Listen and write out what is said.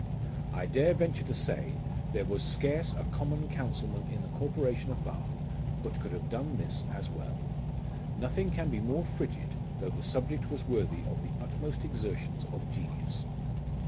1 dare venture to say, there was scarce a common councilman in the corporation of Bath but could have done this as well. Nothing can be more frigid, though the subject was worthy of the utmost exertions of genius.